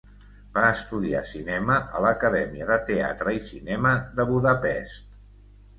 Va estudiar cinema a l'Acadèmia de Teatre i Cinema de Budapest.